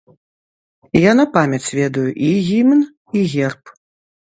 Я на памяць ведаю і гімн, і герб.